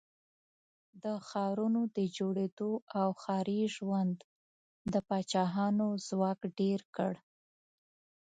د ښارونو د جوړېدو او ښاري ژوند د پاچاهانو ځواک ډېر کړ.